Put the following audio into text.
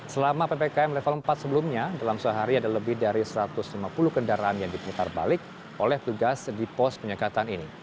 selama ppkm level empat sebelumnya dalam sehari ada lebih dari satu ratus lima puluh kendaraan yang diputar balik oleh tugas di pos penyekatan ini